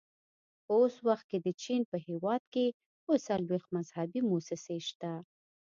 په اوس وخت کې د چین په هېواد کې اووه څلوېښت مذهبي مؤسسې شته.